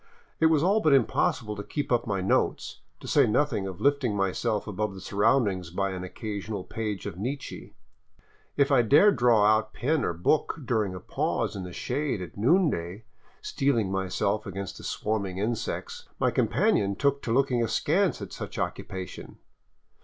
It was all but impossible to keep up my notes, to say nothing of lifting myself above the surroundings by an occasional page of Nietzsche. If I dared draw out pen or book during a pause in the shade at noonday, steeling myself against the swarming insects, my companion took to looking askance at such occupation.